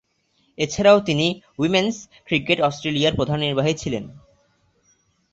এছাড়াও তিনি উইম্যান’স ক্রিকেট অস্ট্রেলিয়ার প্রধান নির্বাহী ছিলেন।